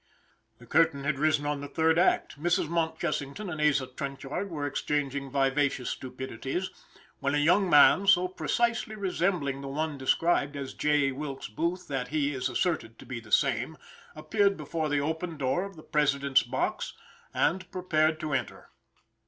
The curtain had arisen on the third act, Mrs. Mountchessington and Asa Trenchard were exchanging vivacious stupidities, when a young man, so precisely resembling the one described as J. Wilkes Booth that be is asserted to be the same, appeared before the open door of the President's box, and prepared to enter.